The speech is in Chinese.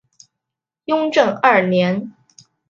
雍正二年。